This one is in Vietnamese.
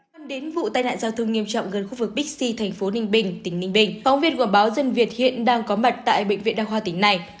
khi đến vụ tai nạn giao thương nghiêm trọng gần khu vực bixi thành phố ninh bình tỉnh ninh bình phóng viên quảng báo dân việt hiện đang có mặt tại bệnh viện đa khoa tỉnh này